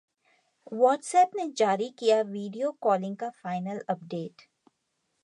WhatsApp ने जारी किया वीडियो कॉलिंग का फाइनल अपडेट